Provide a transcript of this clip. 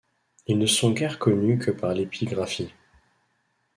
Ils ne sont guère connus que par l’épigraphie.